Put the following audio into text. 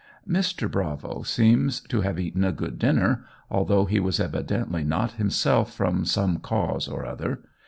Mr. Bravo seems to have eaten a good dinner, although he was evidently not himself from some cause or other.